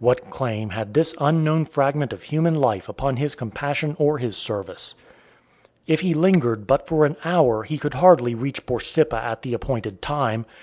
What claim had this unknown fragment of human life upon his compassion or his service? If he lingered but for an hour he could hardly reach Borsippa at the appointed time.